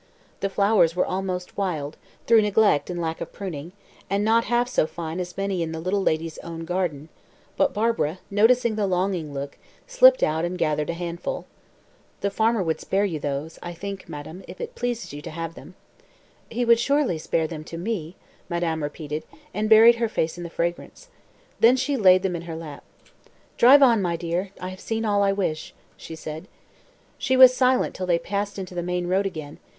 The flowers were almost wild, through neglect and lack of pruning, and not half so fine as many in the little lady's own garden; but Barbara, noticing the longing look, slipped out and gathered a handful. "The farmer would spare you those, I think, madame, if it pleases you to have them." "He would surely spare them to me," madame repeated, and buried her face in their fragrance. Then she laid them in her lap. "Drive on, my dear, I have seen all I wish," she said. She was silent till they passed into the main road again.